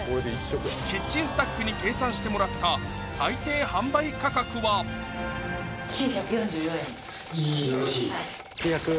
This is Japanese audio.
キッチンスタッフに計算してもらった９４４円よろしい！